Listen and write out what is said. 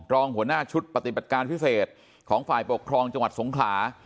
รองหัวหน้าชุดปฏิบัติการพิเศษของฝ่ายปกครองจังหวัดสงขลา